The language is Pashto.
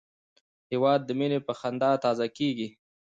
هېواد د مینې په خندا تازه کېږي.